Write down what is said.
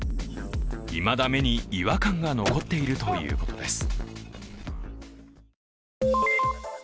いまだ目に違和感が残っているということです。